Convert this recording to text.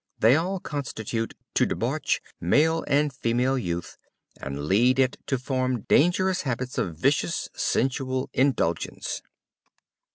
They all contribute to debauch male and female youth and lead it to form dangerous habits of vicious sensual indulgence.